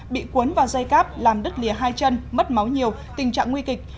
bị cuốn vào dây cáp làm đứt lìa hai chân mất máu nhiều tình trạng nguy kịch